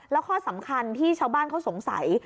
แล้วข้อสำคัญที่ชาวบ้านเขาสงสัย